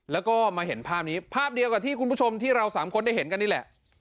แล้วก็มาเห็นภาพนี้ภาพเดียวกับที่คุณผู้ชมที่เราสามคนได้เห็นกันนี่แหละ